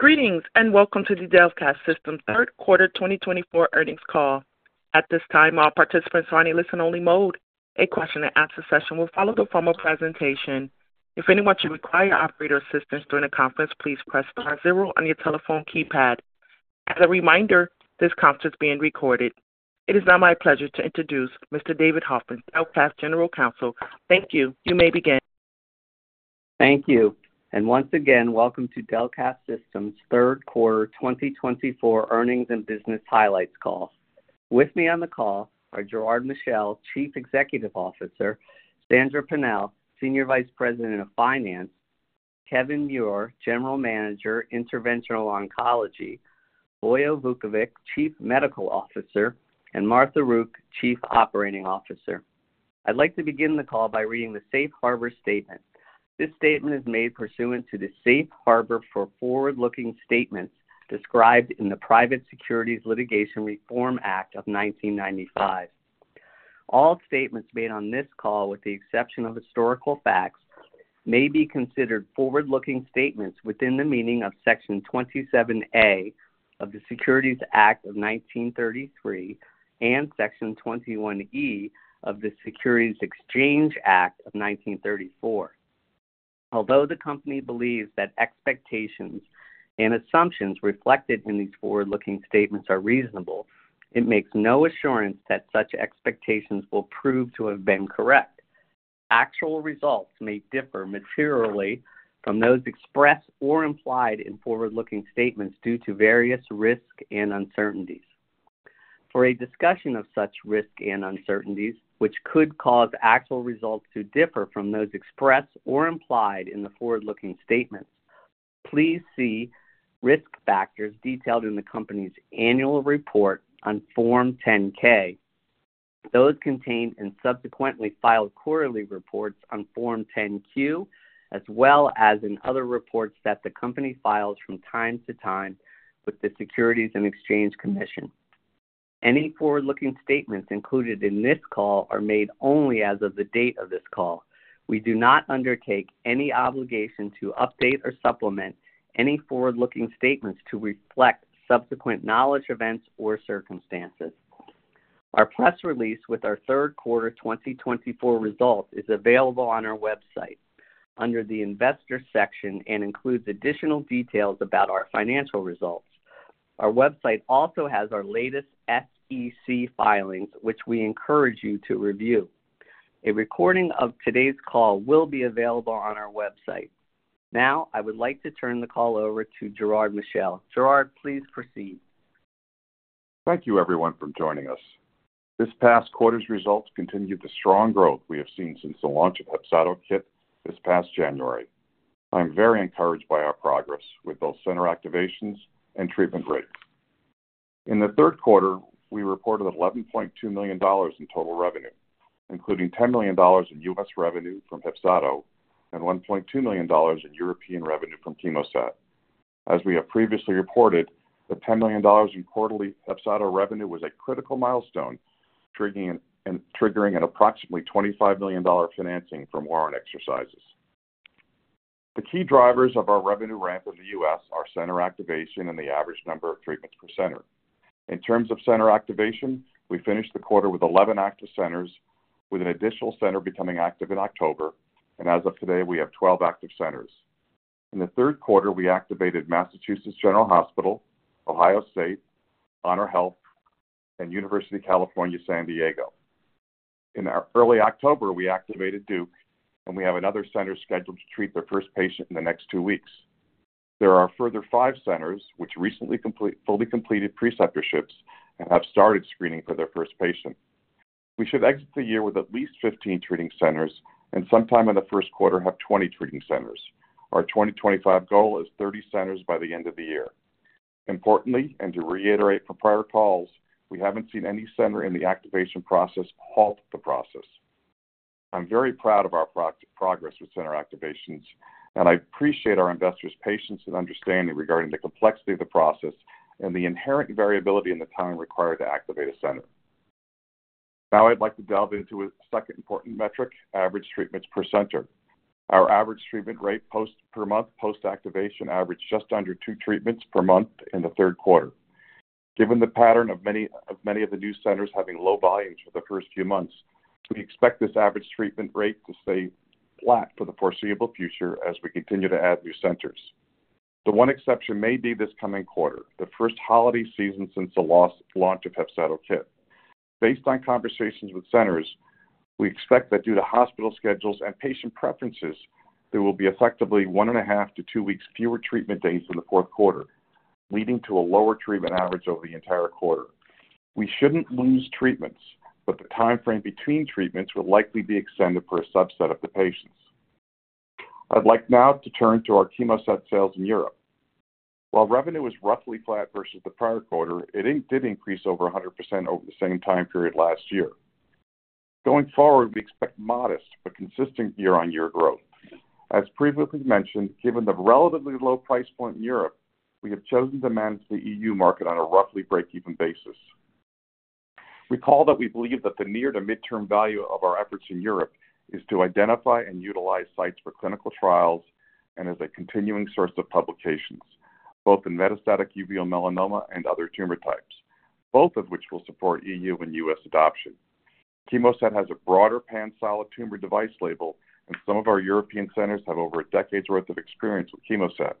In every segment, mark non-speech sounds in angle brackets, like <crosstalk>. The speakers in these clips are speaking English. Greetings and welcome to the Delcath Systems' third quarter 2024 earnings call. At this time, all participants are on a listen-only mode. A question-and-answer session will follow the formal presentation. If anyone should require operator assistance during the conference, please press star zero on your telephone keypad. As a reminder, this conference is being recorded. It is now my pleasure to introduce Mr. David Hoffmann, Delcath General Counsel. Thank you. You may begin. Thank you. And once again, welcome to Delcath Systems Third Quarter 2024 earnings and business highlights call. With me on the call are Gerard Michel, Chief Executive Officer; Sandra Pennell, Senior Vice President of Finance; Kevin Muir, General Manager, Interventional Oncology; Vojislav Vukovic, Chief Medical Officer; and Martha Rook, Chief Operating Officer. I'd like to begin the call by reading the Safe Harbor Statement. This statement is made pursuant to the Safe Harbor for forward-looking statements described in the Private Securities Litigation Reform Act of 1995. All statements made on this call, with the exception of historical facts, may be considered forward-looking statements within the meaning of Section 27A of the Securities Act of 1933 and Section 21E of the Securities Exchange Act of 1934. Although the company believes that expectations and assumptions reflected in these forward-looking statements are reasonable, it makes no assurance that such expectations will prove to have been correct. Actual results may differ materially from those expressed or implied in forward-looking statements due to various risks and uncertainties. For a discussion of such risks and uncertainties, which could cause actual results to differ from those expressed or implied in the forward-looking statements, please see risk factors detailed in the company's annual report on Form 10-K, those contained in subsequently filed quarterly reports on Form 10-Q, as well as in other reports that the company files from time to time with the Securities and Exchange Commission. Any forward-looking statements included in this call are made only as of the date of this call. We do not undertake any obligation to update or supplement any forward-looking statements to reflect subsequent knowledge, events, or circumstances. Our press release with our third quarter 2024 results is available on our website under the Investor section and includes additional details about our financial results. Our website also has our latest SEC filings, which we encourage you to review. A recording of today's call will be available on our website. Now, I would like to turn the call over to Gerard Michel. Gerard, please proceed. Thank you, everyone, for joining us. This past quarter's results continued the strong growth we have seen since the launch of HEPZATO KIT this past January. I'm very encouraged by our progress with both center activations and treatment rates. In the third quarter, we reported $11.2 million in total revenue, including $10 million in U.S. revenue from HEPZATO and $1.2 million in European revenue from CHEMOSAT. As we have previously reported, the $10 million in quarterly HEPZATO revenue was a critical milestone, triggering an approximately $25 million financing from warrant exercises. The key drivers of our revenue ramp in the U.S. are center activation and the average number of treatments per center. In terms of center activation, we finished the quarter with 11 active centers, with an additional center becoming active in October, and as of today, we have 12 active centers. In the third quarter, we activated Massachusetts General Hospital, Ohio State, HonorHealth, and University of California, San Diego. In early October, we activated Duke, and we have another center scheduled to treat their first patient in the next two weeks. There are further five centers which recently fully completed preceptorships and have started screening for their first patient. We should exit the year with at least 15 treating centers and sometime in the first quarter have 20 treating centers. Our 2025 goal is 30 centers by the end of the year. Importantly, and to reiterate from prior calls, we haven't seen any center in the activation process halt the process. I'm very proud of our progress with center activations, and I appreciate our investors' patience and understanding regarding the complexity of the process and the inherent variability in the time required to activate a center. Now, I'd like to delve into a second important metric: average treatments per center. Our average treatment rate per month post-activation averaged just under two treatments per month in the third quarter. Given the pattern of many of the new centers having low volumes for the first few months, we expect this average treatment rate to stay flat for the foreseeable future as we continue to add new centers. The one exception may be this coming quarter, the first holiday season since the launch of HEPZATO KIT. Based on conversations with centers, we expect that due to hospital schedules and patient preferences, there will be effectively one and a half to two weeks fewer treatment days in the fourth quarter, leading to a lower treatment average over the entire quarter. We shouldn't lose treatments, but the timeframe between treatments will likely be extended for a subset of the patients. I'd like now to turn to our CHEMOSAT sales in Europe. While revenue was roughly flat versus the prior quarter, it did increase over 100% over the same time period last year. Going forward, we expect modest but consistent year-on-year growth. As previously mentioned, given the relatively low price point in Europe, we have chosen to manage the EU market on a roughly break-even basis. Recall that we believe that the near to midterm value of our efforts in Europe is to identify and utilize sites for clinical trials and as a continuing source of publications, both in metastatic uveal melanoma and other tumor types, both of which will support E.U. and U.S. adoption. CHEMOSAT has a broader pan-solid tumor device label, and some of our European centers have over a decade's worth of experience with CHEMOSAT.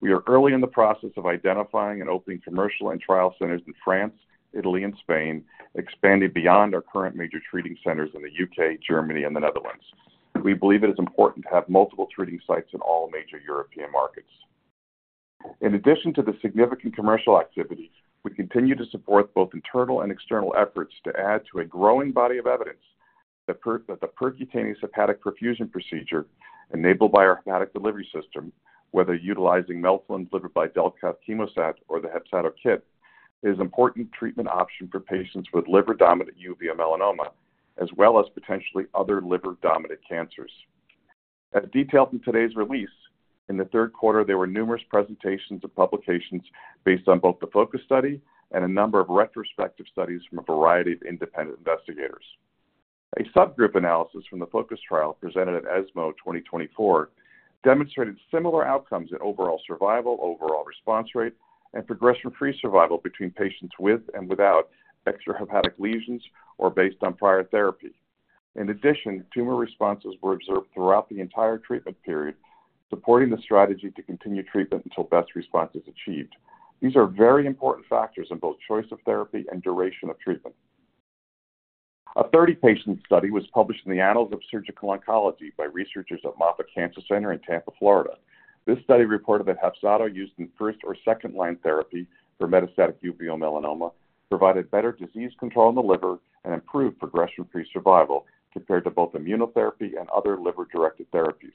We are early in the process of identifying and opening commercial and trial centers in France, Italy, and Spain, expanding beyond our current major treating centers in the U.K., Germany, and the Netherlands. We believe it is important to have multiple treating sites in all major European markets. In addition to the significant commercial activity, we continue to support both internal and external efforts to add to a growing body of evidence that the Percutaneous Hepatic Perfusion procedure enabled by our Hepatic Delivery System, whether utilizing melphalan delivered by Delcath CHEMOSAT or the HEPZATO KIT, is an important treatment option for patients with liver-dominant uveal melanoma, as well as potentially other liver-dominant cancers. As detailed from today's release, in the third quarter, there were numerous presentations and publications based on both the FOCUS study and a number of retrospective studies from a variety of independent investigators. A subgroup analysis from the FOCUS Trial presented at ESMO 2024 demonstrated similar outcomes in overall survival, overall response rate, and progression-free survival between patients with and without extrahepatic lesions or based on prior therapy. In addition, tumor responses were observed throughout the entire treatment period, supporting the strategy to continue treatment until best response is achieved. These are very important factors in both choice of therapy and duration of treatment. A 30-patient study was published in the Annals of Surgical Oncology by researchers at Moffitt Cancer Center in Tampa, Florida. This study reported that HEPZATO used in first- or second-line therapy for metastatic uveal melanoma provided better disease control in the liver and improved progression-free survival compared to both immunotherapy and other liver-directed therapies.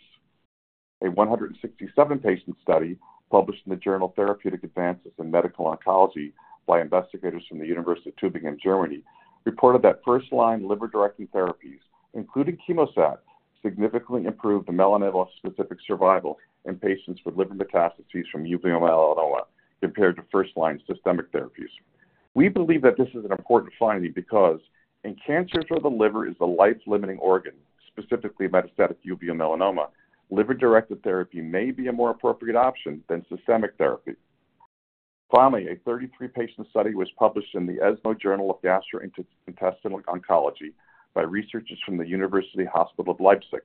A 167-patient study published in the Journal of Therapeutic Advances in Medical Oncology by investigators from the University of Tübingen, Germany, reported that first-line liver-directed therapies, including CHEMOSAT, significantly improved the melanoma-specific survival in patients with liver metastases from uveal melanoma compared to first-line systemic therapies. We believe that this is an important finding because in cancers where the liver is a life-limiting organ, specifically metastatic uveal melanoma, liver-directed therapy may be a more appropriate option than systemic therapy. Finally, a 33-patient study was published in the ESMO Journal of Gastrointestinal Oncology by researchers from the University Hospital Leipzig.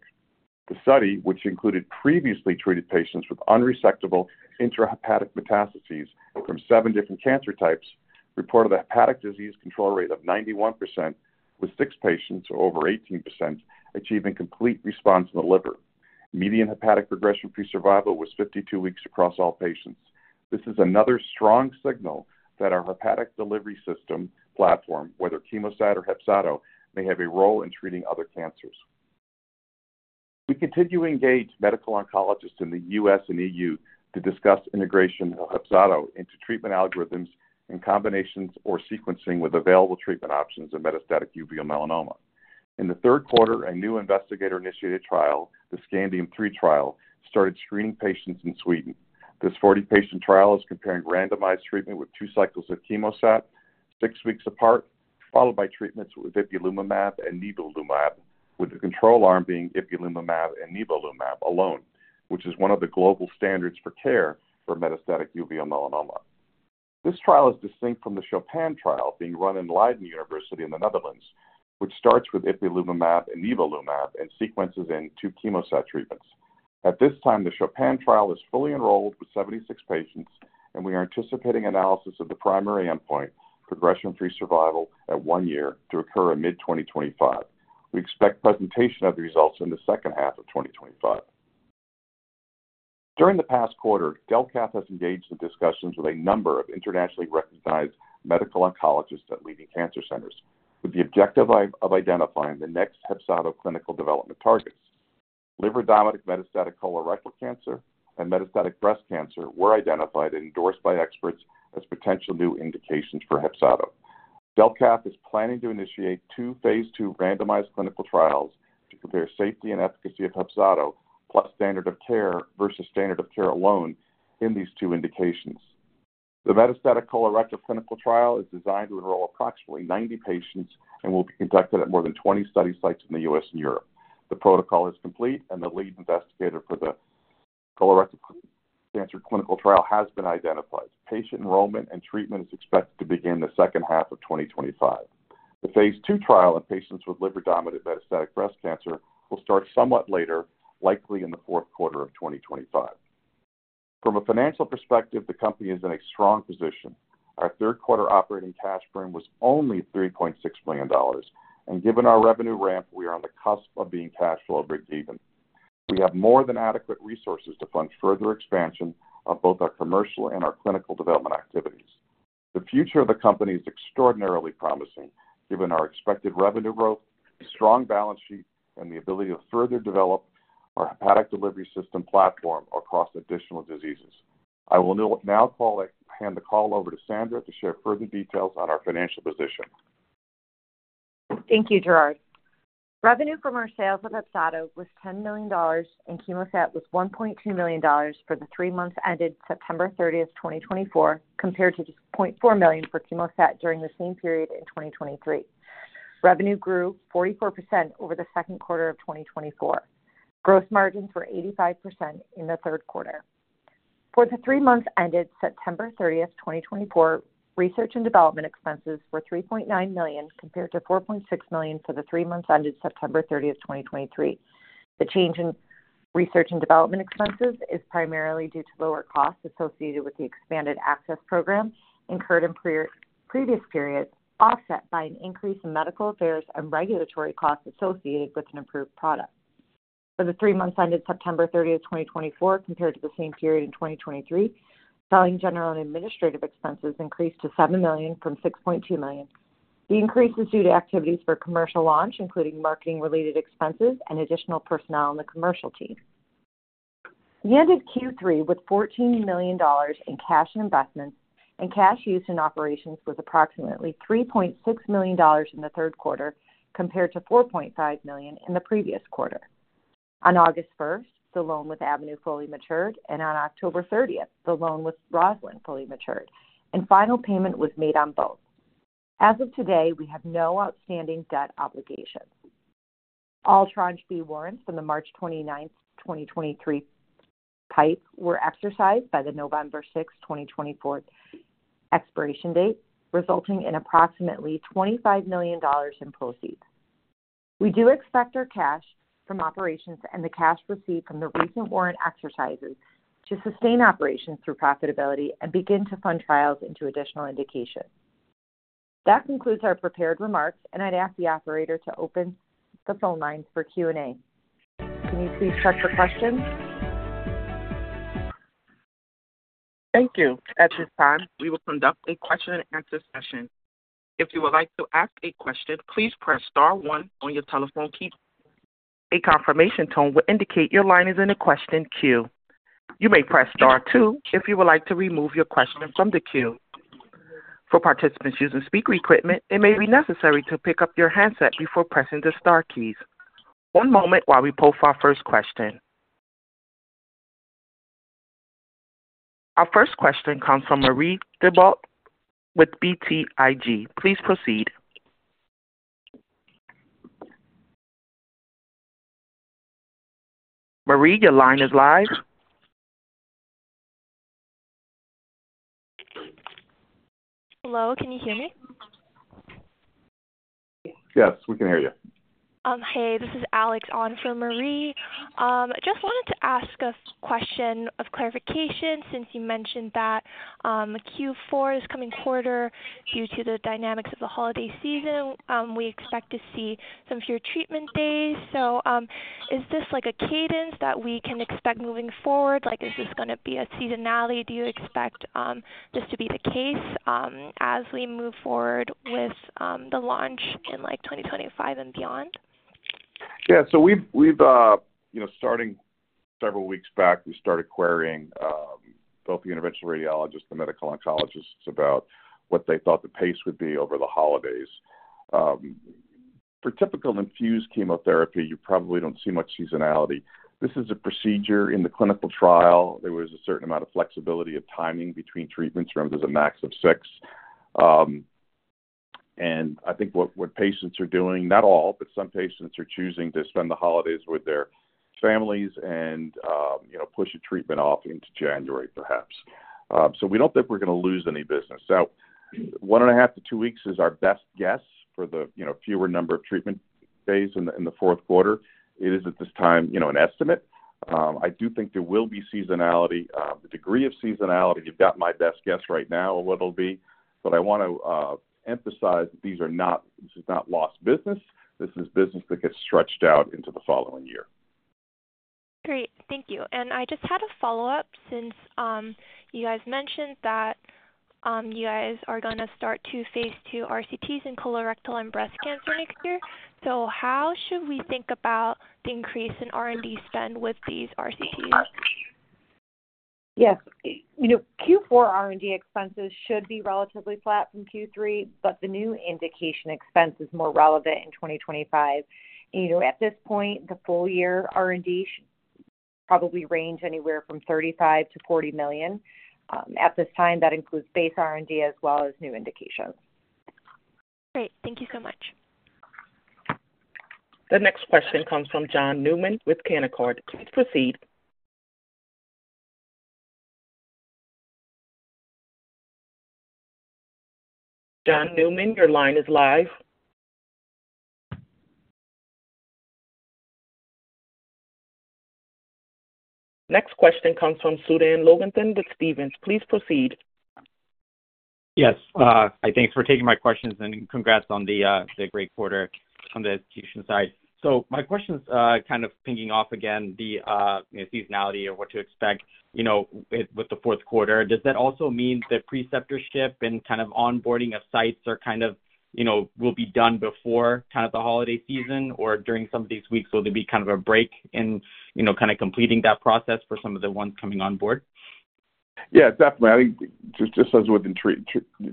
The study, which included previously treated patients with unresectable intrahepatic metastases from seven different cancer types, reported a hepatic disease control rate of 91% with six patients over 18% achieving complete response in the liver. Median hepatic progression-free survival was 52 weeks across all patients. This is another strong signal that our hepatic delivery system platform, whether CHEMOSAT or HEPZATO, may have a role in treating other cancers. We continue to engage medical oncologists in the U.S. and E.U. to discuss integration of HEPZATO into treatment algorithms and combinations or sequencing with available treatment options in metastatic uveal melanoma. In the third quarter, a new investigator-initiated trial, the SCANDIUM-3 trial, started screening patients in Sweden. This 40-patient trial is comparing randomized treatment with two cycles of CHEMOSAT six weeks apart, followed by treatments with ipilimumab and nivolumab, with the control arm being ipilimumab and nivolumab alone, which is one of the global standards for care for metastatic uveal melanoma. This trial is distinct from the CHOPIN trial being run in Leiden University in the Netherlands, which starts with ipilimumab and nivolumab and sequences in two CHEMOSAT treatments. At this time, the CHOPIN Trial is fully enrolled with 76 patients, and we are anticipating analysis of the primary endpoint, progression-free survival at one year, to occur in mid-2025. We expect presentation of the results in the second half of 2025. During the past quarter, Delcath has engaged in discussions with a number of internationally recognized medical oncologists at leading cancer centers, with the objective of identifying the next HEPZATO clinical development targets. Liver-dominant metastatic colorectal cancer and metastatic breast cancer were identified and endorsed by experts as potential new indications for HEPZATO. Delcath is planning to initiate two phase II randomized clinical trials to compare safety and efficacy of HEPZATO, plus standard of care versus standard of care alone, in these two indications. The metastatic colorectal clinical trial is designed to enroll approximately 90 patients and will be conducted at more than 20 study sites in the U.S. and Europe. The protocol is complete, and the lead investigator for the colorectal cancer clinical trial has been identified. Patient enrollment and treatment is expected to begin the second half of 2025. The phase II trial in patients with liver-dominant metastatic breast cancer will start somewhat later, likely in the fourth quarter of 2025. From a financial perspective, the company is in a strong position. Our third quarter operating cash burn was only $3.6 million, and given our revenue ramp, we are on the cusp of being cash flow break-even. We have more than adequate resources to fund further expansion of both our commercial and our clinical development activities. The future of the company is extraordinarily promising, given our expected revenue growth, strong balance sheet, and the ability to further develop our hepatic delivery system platform across additional diseases. I will now hand the call over to Sandra to share further details on our financial position. Thank you, Gerard. Revenue from our sales of HEPZATO was $10 million, and CHEMOSAT was $1.2 million for the three months ended September 30th, 2024, compared to $0.4 million for CHEMOSAT during the same period in 2023. Revenue grew 44% over the second quarter of 2024. Gross margins were 85% in the third quarter. For the three months ended September 30th, 2024, research and development expenses were $3.9 million compared to $4.6 million for the three months ended September 30th, 2023. The change in research and development expenses is primarily due to lower costs associated with the expanded access program incurred in previous periods, offset by an increase in medical affairs and regulatory costs associated with an improved product. For the three months ended September 30th, 2024, compared to the same period in 2023, selling general and administrative expenses increased to $7 million from $6.2 million. The increase is due to activities for commercial launch, including marketing-related expenses and additional personnel in the commercial team. We ended Q3 with $14 million in cash investments, and cash used in operations was approximately $3.6 million in the third quarter, compared to $4.5 million in the previous quarter. On August 1st, the loan with Avenue fully matured, and on October 30th, the loan with Rosalind fully matured, and final payment was made on both. As of today, we have no outstanding debt obligations. All Tranche B Warrants from the March 29th, 2023, PIPE were exercised by the November 6th, 2024, expiration date, resulting in approximately $25 million in proceeds. We do expect our cash from operations and the cash received from the recent warrant exercises to sustain operations through profitability and begin to fund trials into additional indication. That concludes our prepared remarks, and I'd ask the operator to open the phone lines for Q&A. Can you please check for questions? Thank you. At this time, we will conduct a question-and-answer session. If you would like to ask a question, please press star one on your telephone key. A confirmation tone will indicate your line is in a question queue. You may press star two if you would like to remove your question from the queue. For participants using speaker equipment, it may be necessary to pick up your handset before pressing the star keys. One moment while we post our first question. Our first question comes from Marie Thibault with BTIG. Please proceed. Marie, your line is live. Hello. Can you hear me? Yes, we can hear you. Hey, this is Alex on for Marie. Just wanted to ask a question of clarification since you mentioned that Q4 this coming quarter, due to the dynamics of the holiday season, we expect to see some fewer treatment days. So is this a cadence that we can expect moving forward? Is this going to be a seasonality? Do you expect this to be the case as we move forward with the launch in 2025 and beyond? Yeah. So starting several weeks back, we started querying both the interventional radiologists and the medical oncologists about what they thought the pace would be over the holidays. For typical infused chemotherapy, you probably don't see much seasonality. This is a procedure in the clinical trial. There was a certain amount of flexibility of timing between treatments. There was a max of six. And I think what patients are doing, not all, but some patients are choosing to spend the holidays with their families and push a treatment off into January, perhaps. So we don't think we're going to lose any business. So one and a half to two weeks is our best guess for the fewer number of treatment days in the fourth quarter. It is, at this time, an estimate. I do think there will be seasonality. The degree of seasonality, you've got my best guess right now of what it'll be. But I want to emphasize that this is not lost business. This is business that gets stretched out into the following year. Great. Thank you. And I just had a follow-up since you guys mentioned that you guys are going to start two phase II RCTs in colorectal and breast cancer next year. So how should we think about the increase in R&D spend with these RCTs? Yes. Q4 R&D expenses should be relatively flat from Q3, but the new indication expense is more relevant in 2025. At this point, the full-year R&D should probably range anywhere from $35 million-$40 million. At this time, that includes base R&D as well as new indications. Great. Thank you so much. The next question comes from John Newman with Canaccord. Please proceed. John Newman, your line is live. Next question comes from Suzanne Lovington with Stephens. Please proceed. Yes. Thanks for taking my questions, and congrats on the great quarter on the institution side. So my question's kind of pinging off again the seasonality or what to expect with the fourth quarter. Does that also mean the preceptorship and kind of onboarding of sites will be done before the holiday season or during some of these weeks? Will there be kind of a break in kind of completing that process for some of the ones coming on board? Yeah, definitely. I think just as with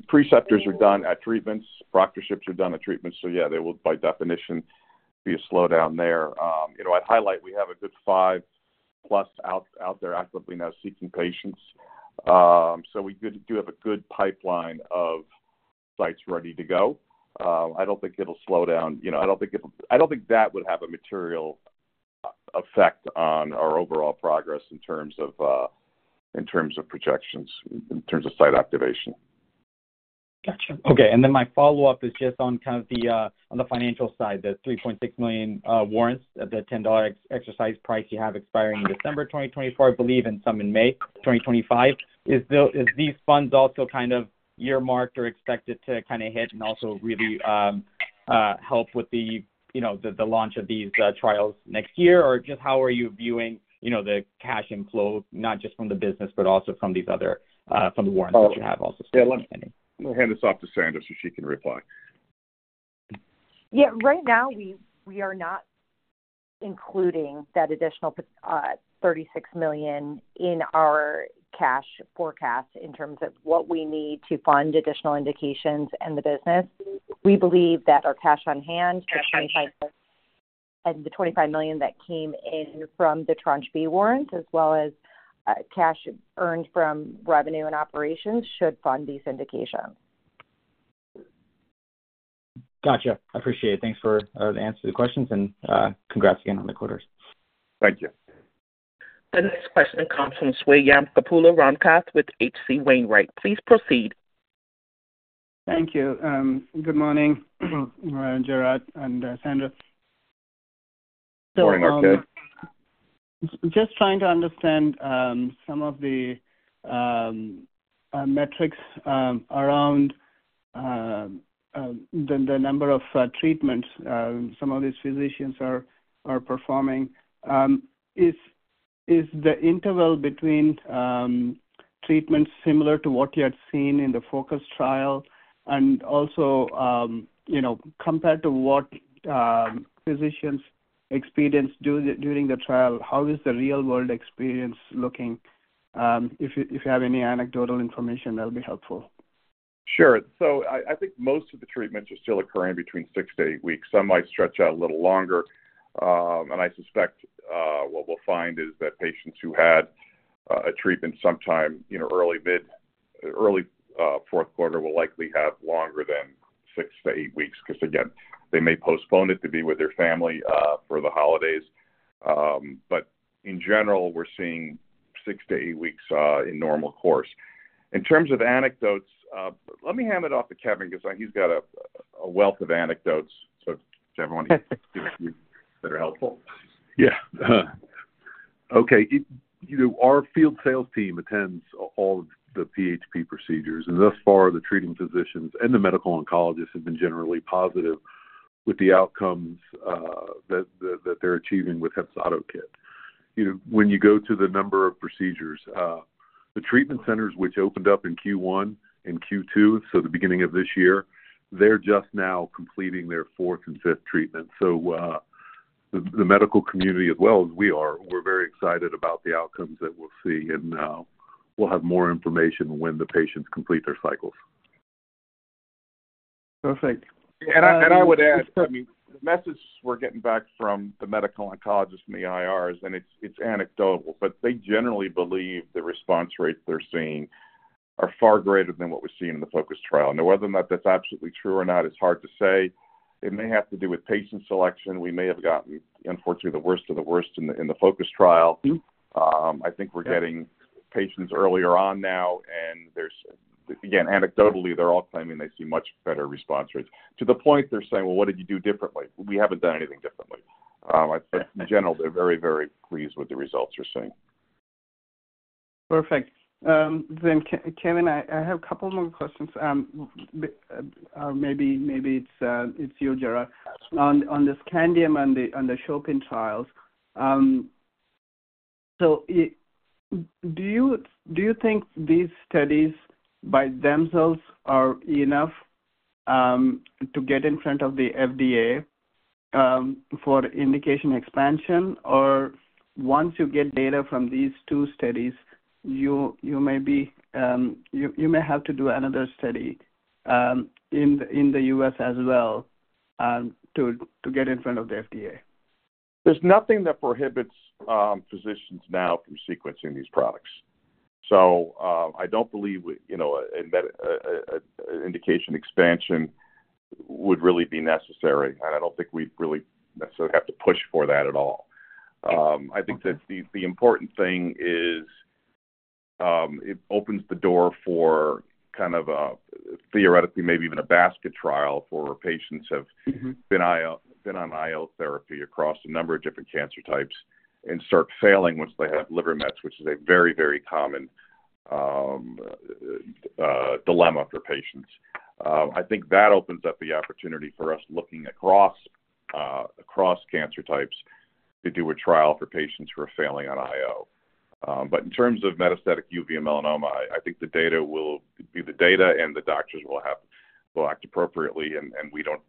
preceptorships are done at treatments, proctorships are done at treatments. So yeah, there will, by definition, be a slowdown there. I'd highlight we have a good five-plus out there actively now seeking patients. So we do have a good pipeline of sites ready to go. I don't think it'll slow down. I don't think that would have a material effect on our overall progress in terms of projections, in terms of site activation. Gotcha. Okay. And then my follow-up is just on kind of the financial side, the $3.6 million warrants at the $10 exercise price you have expiring in December 2024, I believe, and some in May 2025. Is these funds also kind of earmarked or expected to kind of hit and also really help with the launch of these trials next year? Or just how are you viewing the cash inflow, not just from the business, but also from the warrants that you have also? Yeah. Let me hand this off to Sandra so she can reply. Yeah. Right now, we are not including that additional $36 million in our cash forecast in terms of what we need to fund additional indications and the business. We believe that our cash on hand should be, and the $25 million that came in from the Tranche B Warrants, as well as cash earned from revenue and operations, should fund these indications. Gotcha. I appreciate it. Thanks for the answer to the questions, and congrats again on the quarters. Thank you. The next question comes from Swayampakula Ramakanth with H.C. Wainwright. Please proceed. Thank you. Good morning, Gerard and Sandra. Good morning, Mark. <inaudible> Just trying to understand some of the metrics around the number of treatments some of these physicians are performing. Is the interval between treatments similar to what you had seen in the FOCUS trial? And also, compared to what physicians experienced during the trial, how is the real-world experience looking? If you have any anecdotal information, that'll be helpful. Sure. So I think most of the treatments are still occurring between six to eight weeks. Some might stretch out a little longer, and I suspect what we'll find is that patients who had a treatment sometime early fourth quarter will likely have longer than six to eight weeks because, again, they may postpone it to be with their family for the holidays, but in general, we're seeing six to eight weeks in normal course. In terms of anecdotes, let me hand it off to Kevin because he's got a wealth of anecdotes, so does everyone have anecdotes that are helpful? Yeah. Okay. Our field sales team attends all of the PHP procedures, and thus far, the treating physicians and the medical oncologists have been generally positive with the outcomes that they're achieving with HEPZATO KIT. When you go to the number of procedures, the treatment centers which opened up in Q1 and Q2, so the beginning of this year, they're just now completing their fourth and fifth treatment. So the medical community, as well as we are, we're very excited about the outcomes that we'll see, and we'll have more information when the patients complete their cycles. Perfect. I would add, I mean, the message we're getting back from the medical oncologists and the IRs, and it's anecdotal, but they generally believe the response rates they're seeing are far greater than what we're seeing in the focus trial. Now, whether or not that's absolutely true or not is hard to say. It may have to do with patient selection. We may have gotten, unfortunately, the worst of the worst in the focus trial. I think we're getting patients earlier on now, and again, anecdotally, they're all claiming they see much better response rates. To the point they're saying, "Well, what did you do differently?" We haven't done anything differently. In general, they're very, very pleased with the results they're seeing. Perfect. Then, Kevin, I have a couple more questions. Maybe it's you, Gerard. On this SCANDIUM-3 and the CHOPIN trials, so do you think these studies by themselves are enough to get in front of the FDA for indication expansion? Or once you get data from these two studies, you may have to do another study in the U.S. as well to get in front of the FDA? There's nothing that prohibits physicians now from sequencing these products. So I don't believe an indication expansion would really be necessary, and I don't think we really necessarily have to push for that at all. I think that the important thing is it opens the door for kind of a theoretically, maybe even a basket trial for patients who have been on IO therapy across a number of different cancer types and start failing once they have liver metastasis, which is a very, very common dilemma for patients. I think that opens up the opportunity for us looking across cancer types to do a trial for patients who are failing on IO. But in terms of metastatic uveal melanoma, I think the data will be the data, and the doctors will act appropriately, and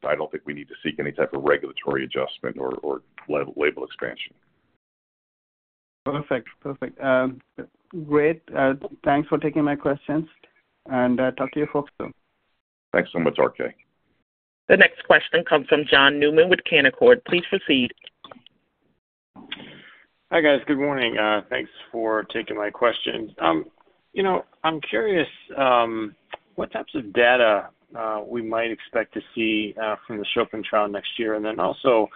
I don't think we need to seek any type of regulatory adjustment or label expansion. Perfect. Perfect. Great. Thanks for taking my questions, and talk to you folks soon. Thanks so much, RK. The next question comes from John Newman with Canaccord. Please proceed. Hi guys. Good morning. Thanks for taking my questions. I'm curious what types of data we might expect to see from the CHOPIN trial next year. And then also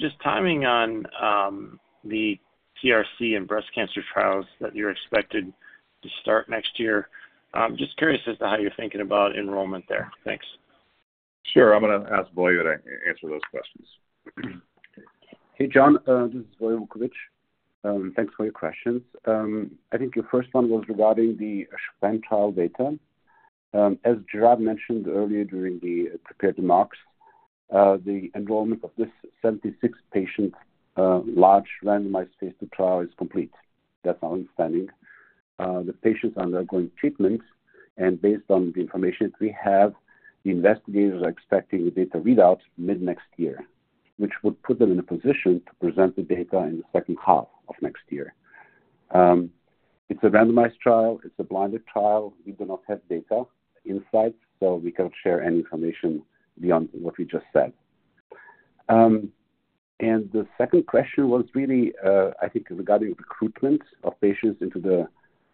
just timing on the CRC and breast cancer trials that you're expected to start next year. Just curious as to how you're thinking about enrollment there. Thanks. Sure. I'm going to ask Vojislav that I answer those questions. Hey, John. This is Vojislav Vukovic. Thanks for your questions. I think your first one was regarding the CHOPIN trial data. As Gerard mentioned earlier during the prepared remarks, the enrollment of this 76-patient large randomized phase II trial is complete. That's our understanding. The patients are undergoing treatment, and based on the information that we have, the investigators are expecting the data readouts mid-next year, which would put them in a position to present the data in the second half of next year. It's a randomized trial. It's a blinded trial. We do not have data insights, so we cannot share any information beyond what we just said. And the second question was really, I think, regarding recruitment of patients into the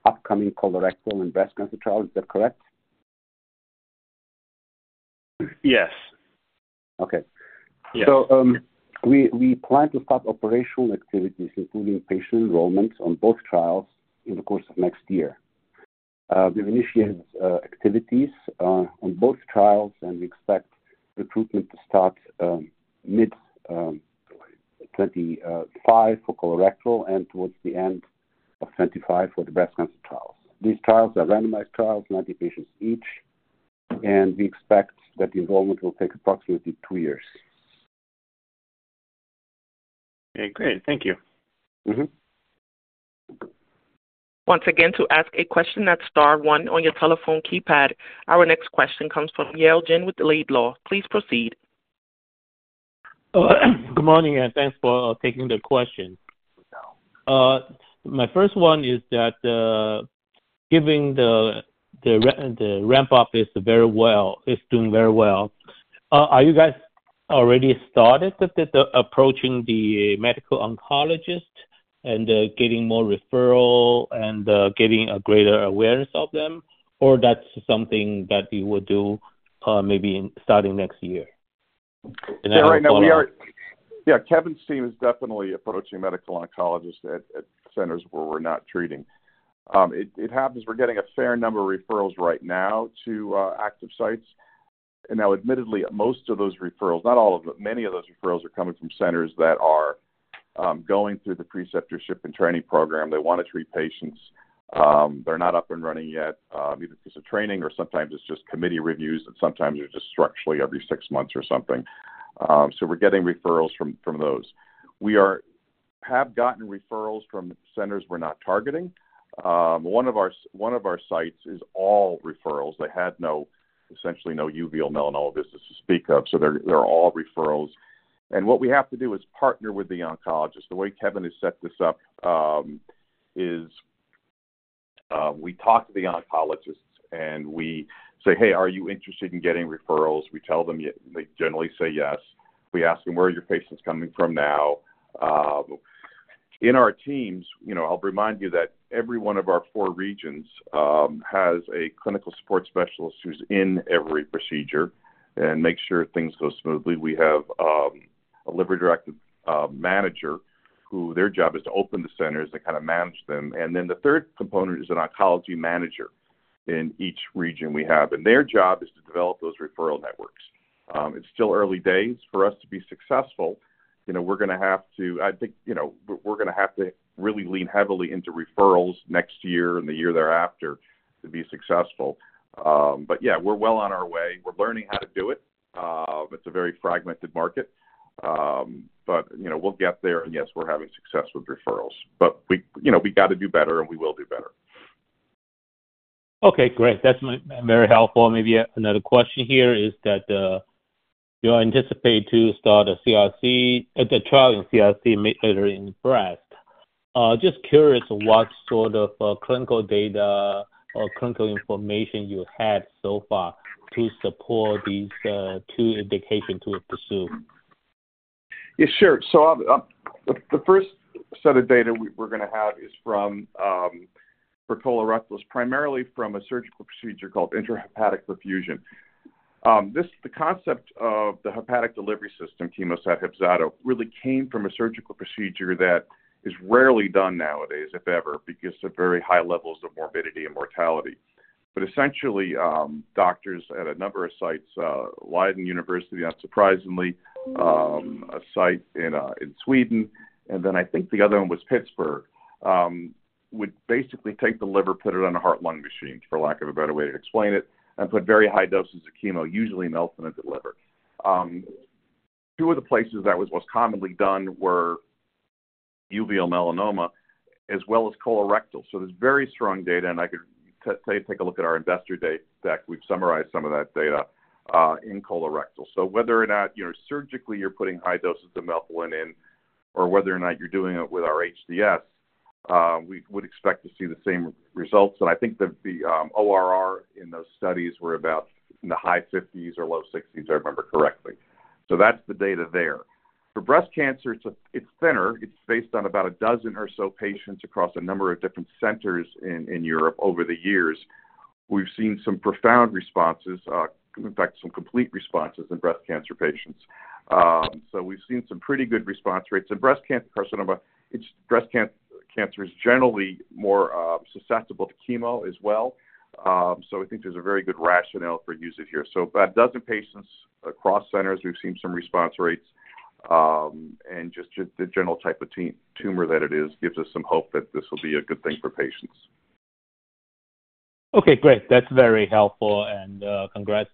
upcoming colorectal and breast cancer trials. Is that correct? Yes. Okay. So we plan to start operational activities, including patient enrollment on both trials in the course of next year. We've initiated activities on both trials, and we expect recruitment to start mid-2025 for colorectal and towards the end of 2025 for the breast cancer trials. These trials are randomized trials, 90 patients each, and we expect that the enrollment will take approximately two years. Okay. Great. Thank you. Once again, to ask a question at star one on your telephone keypad, our next question comes from Yale Jen with Laidlaw. Please proceed. Good morning, and thanks for taking the question. My first one is that given the ramp-up is very well. It's doing very well. Are you guys already started approaching the medical oncologists and getting more referrals and getting a greater awareness of them? Or that's something that you will do maybe starting next year? So right now, we are, Kevin's team is definitely approaching medical oncologists at centers where we're not treating. It happens we're getting a fair number of referrals right now to active sites. And now, admittedly, most of those referrals, not all of them, many of those referrals, are coming from centers that are going through the preceptorship and training program. They want to treat patients. They're not up and running yet, either because of training or sometimes it's just committee reviews, and sometimes it's just structurally every six months or something. So we're getting referrals from those. We have gotten referrals from centers we're not targeting. One of our sites is all referrals. They had essentially no uveal melanoma business to speak of. So they're all referrals. And what we have to do is partner with the oncologists. The way Kevin has set this up is we talk to the oncologists, and we say, "Hey, are you interested in getting referrals?" We tell them. They generally say yes. We ask them, "Where are your patients coming from now?" In our teams, I'll remind you that every one of our four regions has a clinical support specialist who's in every procedure and makes sure things go smoothly. We have a liver-directed manager whose job is to open the centers and kind of manage them. And then the third component is an Oncology Manager in each region we have. And their job is to develop those referral networks. It's still early days for us to be successful. We're going to have to, I think we're going to have to really lean heavily into referrals next year and the year thereafter to be successful. But yeah, we're well on our way. We're learning how to do it. It's a very fragmented market. But we'll get there, and yes, we're having success with referrals. But we got to do better, and we will do better. Okay. Great. That's very helpful. Maybe another question here is that you anticipate to start a trial in CRC later in breast. Just curious what sort of clinical data or clinical information you had so far to support these two indications to pursue. Yeah. Sure. So the first set of data we're going to have is for colorectals, primarily from a surgical procedure called intrahepatic perfusion. The concept of the hepatic delivery system, CHEMOSAT, HEPZATO, really came from a surgical procedure that is rarely done nowadays, if ever, because of very high levels of morbidity and mortality. But essentially, doctors at a number of sites, Leiden University, not surprisingly, a site in Sweden, and then I think the other one was Pittsburgh, would basically take the liver, put it on a heart-lung machine, for lack of a better way to explain it, and put very high doses of chemo, usually melphalan, at the liver. Two of the places that was most commonly done were uveal melanoma as well as colorectal. So there's very strong data, and I could tell you to take a look at our investor deck. We've summarized some of that data in colorectal, so whether or not surgically you're putting high doses of melphalan in or whether or not you're doing it with our HDS, we would expect to see the same results, and I think the ORR in those studies were about in the high 50s or low 60s, if I remember correctly, so that's the data there. For breast cancer, it's thinner. It's based on about a dozen or so patients across a number of different centers in Europe over the years. We've seen some profound responses, in fact, some complete responses in breast cancer patients, so we've seen some pretty good response rates, and breast cancer is generally more susceptible to chemo as well, so I think there's a very good rationale for using it here, so about a dozen patients across centers, we've seen some response rates. Just the general type of tumor that it is gives us some hope that this will be a good thing for patients. Okay. Great. That's very helpful. And congrats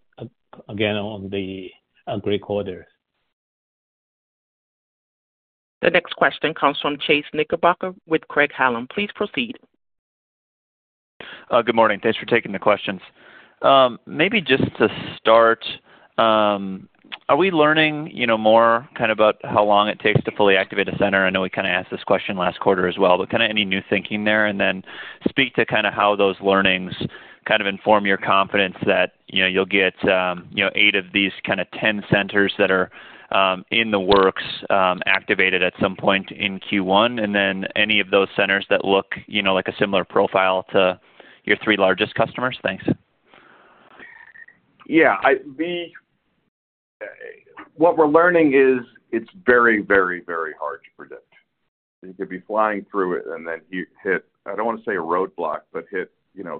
again on the record quarter. The next question comes from Chase Knickerbocker with Craig-Hallum. Please proceed. Good morning. Thanks for taking the questions. Maybe just to start, are we learning more kind of about how long it takes to fully activate a center? I know we kind of asked this question last quarter as well, but kind of any new thinking there? And then speak to kind of how those learnings kind of inform your confidence that you'll get eight of these kind of 10 centers that are in the works activated at some point in Q1, and then any of those centers that look like a similar profile to your three largest customers? Thanks. Yeah. What we're learning is it's very, very, very hard to predict. You could be flying through it and then hit, I don't want to say a roadblock, but hit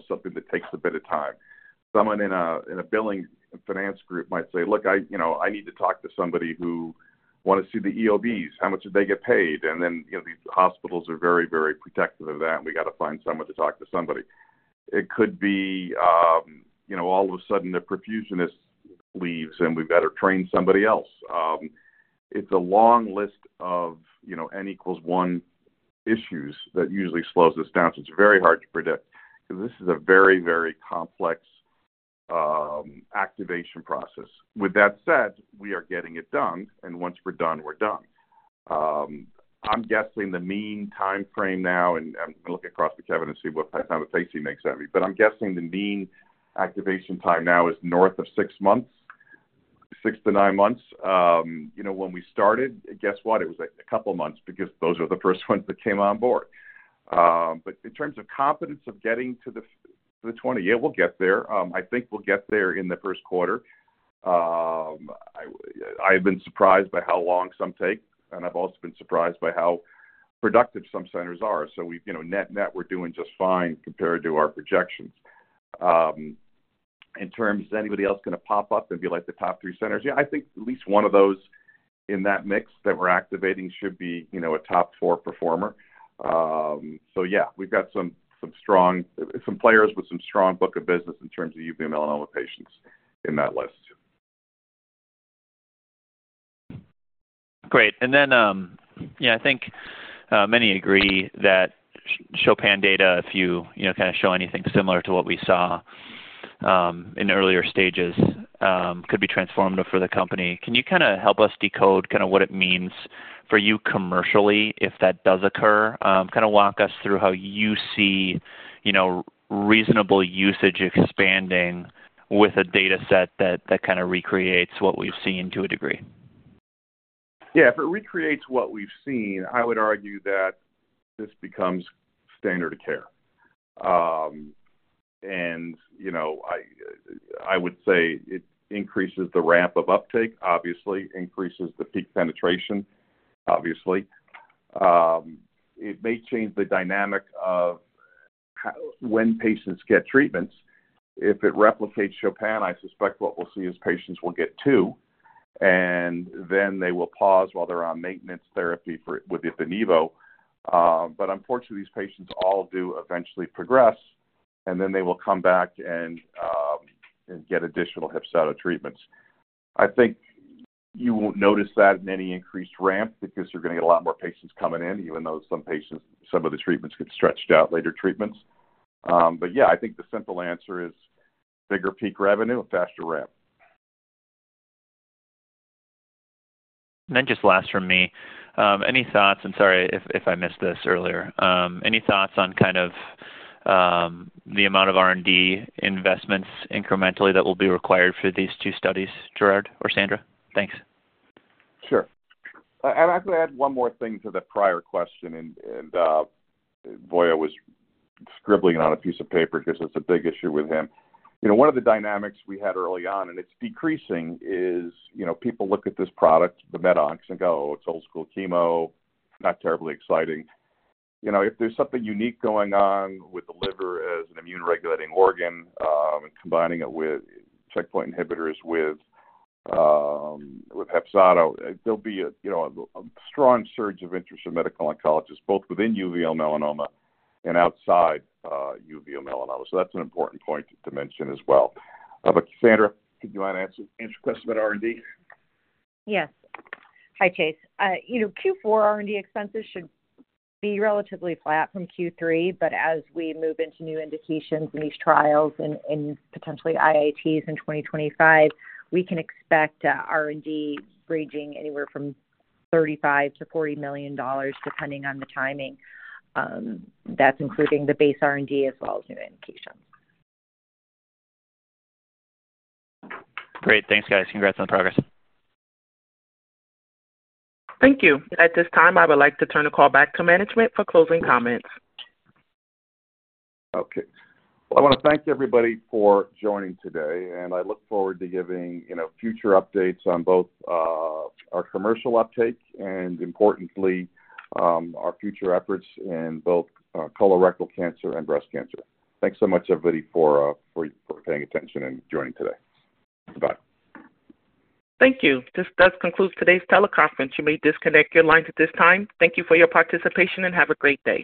something that takes a bit of time. Someone in a billing finance group might say, "Look, I need to talk to somebody who wants to see the EOBs. How much do they get paid?," and then these hospitals are very, very protective of that, and we got to find someone to talk to somebody. It could be all of a sudden the perfusionist leaves, and we better train somebody else. It's a long list of n equals 1 issues that usually slows us down, so it's very hard to predict because this is a very, very complex activation process. With that said, we are getting it done, and once we're done, we're done. I'm guessing the mean timeframe now, and I'm going to look across to Kevin and see what kind of pacing makes sense. But I'm guessing the mean activation time now is north of six months, six to nine months. When we started, guess what? It was a couple of months because those are the first ones that came on board. But in terms of confidence of getting to the 20, yeah, we'll get there. I think we'll get there in the first quarter. I've been surprised by how long some take, and I've also been surprised by how productive some centers are. So net-net, we're doing just fine compared to our projections. In terms of anybody else going to pop up and be like the top three centers, yeah, I think at least one of those in that mix that we're activating should be a top four performer. So yeah, we've got some players with some strong book of business in terms of uveal melanoma patients in that list. Great. And then I think many agree that CHOPIN data, if you kind of show anything similar to what we saw in earlier stages, could be transformative for the company. Can you kind of help us decode kind of what it means for you commercially if that does occur? Kind of walk us through how you see reasonable usage expanding with a dataset that kind of recreates what we've seen to a degree. Yeah. If it recreates what we've seen, I would argue that this becomes standard of care. And I would say it increases the ramp of uptake, obviously, increases the peak penetration, obviously. It may change the dynamic of when patients get treatments. If it replicates CHOPIN, I suspect what we'll see is patients will get two, and then they will pause while they're on maintenance therapy with Opdivo. But unfortunately, these patients all do eventually progress, and then they will come back and get additional HEPZATO treatments. I think you won't notice that in any increased ramp because you're going to get a lot more patients coming in, even though some of the treatments get stretched out, later treatments. But yeah, I think the simple answer is bigger peak revenue and faster ramp. And then just last from me, any thoughts, and sorry if I missed this earlier, any thoughts on kind of the amount of R&D investments incrementally that will be required for these two studies, Gerard or Sandra? Thanks. Sure. I'll actually add one more thing to the prior question, and Vojislav was scribbling on a piece of paper because it's a big issue with him. One of the dynamics we had early on, and it's decreasing, is people look at this product, the Med Oncs, and go, "Oh, it's old-school chemo, not terribly exciting." If there's something unique going on with the liver as an immune-regulating organ and combining it with checkpoint inhibitors with HEPZATO, there'll be a strong surge of interest in medical oncologists, both within uveal melanoma and outside uveal melanoma. So that's an important point to mention as well. Sandra, did you want to answer the question about R&D? Yes. Hi, Chase. Q4 R&D expenses should be relatively flat from Q3, but as we move into new indications in these trials and potentially IITs in 2025, we can expect R&D ranging anywhere from $35 million-$40 million, depending on the timing. That's including the base R&D as well as new indications. Great. Thanks, guys. Congrats on the progress. Thank you. At this time, I would like to turn the call back to management for closing comments. Okay, well, I want to thank everybody for joining today, and I look forward to giving future updates on both our commercial uptake and, importantly, our future efforts in both colorectal cancer and breast cancer. Thanks so much, everybody, for paying attention and joining today. Goodbye. Thank you. This does conclude today's teleconference. You may disconnect your lines at this time. Thank you for your participation and have a great day.